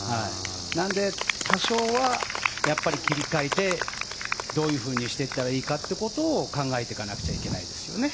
なので、多少は切り替えてどういうふうにしていったらいいかということを考えていかなければいけないですよね。